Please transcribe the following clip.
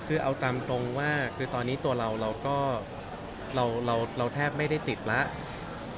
เอาตามตรงว่าตอนนี้ตัวเราแทบไม่ได้ติดแล้ว